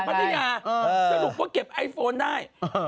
สรุปว่าเก็บไอโฟนได้